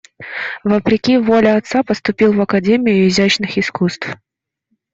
Вопреки воле отца поступил в академию изящных искусств.